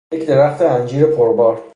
یک درخت انجیر پربار